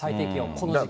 この時期。